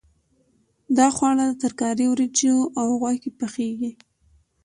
دا خواړه له ترکارۍ، وریجو او غوښې پخېږي.